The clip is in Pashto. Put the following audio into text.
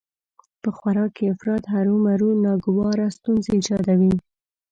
په خوراک کې افراط هرومرو ناګواره ستونزې ايجادوي